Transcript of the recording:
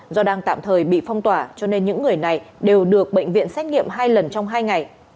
do đang tạm thời bị phong tỏa cho nên những người này đều được bệnh viện xét nghiệm hai lần trong hai ngày